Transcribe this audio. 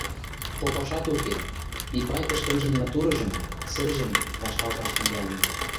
Попашат уке, Ипай ӹшкӹмжӹн натурыжым, сӹржӹм, вашталташ тӹнгӓлӹн.